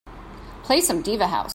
Play some diva house.